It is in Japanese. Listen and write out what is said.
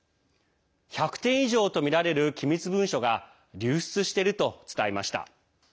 １００点以上とみられる機密文書が流出していると伝えました。